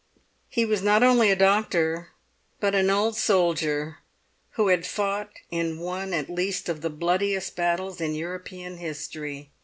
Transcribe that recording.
He was not only a doctor, but an old soldier who had fought in one at least of the bloodiest battles in European history.